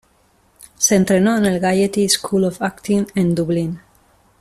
Se entrenó en el Gaiety School of Acting en Dublín.